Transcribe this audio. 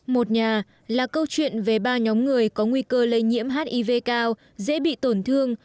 một nhà là câu chuyện về ba nhóm người có nguy cơ lây nhiễm hiv cao dễ bị tổn thương